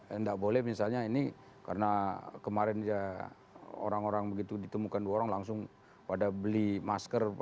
tidak boleh misalnya ini karena kemarin orang orang begitu ditemukan dua orang langsung pada beli masker